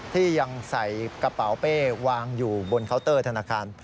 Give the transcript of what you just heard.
ที่ยังใส่กระเป๋าเป้วางอยู่บนเคาน์เตอร์ธนาคาร